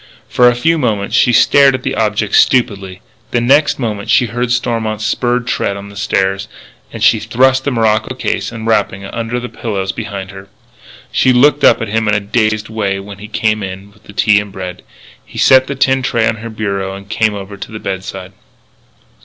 For a few moments she stared at the object stupidly. The next moment she heard Stormont's spurred tread on the stairs; and she thrust the morocco case and the wrapping under the pillows behind her. She looked up at him in a dazed way when he came in with the tea and bread. He set the tin tray on her bureau and came over to the bedside.